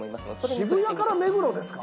渋谷から目黒ですか？